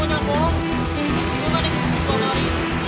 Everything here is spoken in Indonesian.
lo kan yang gebuk gebuk hari